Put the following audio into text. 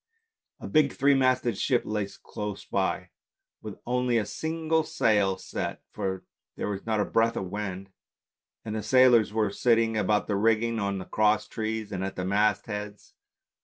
A big three masted ship lay close by with only a single sail set, for there was not a breath of wind, and the sailors were sitting about the rigging, on the cross trees, and at the mast heads.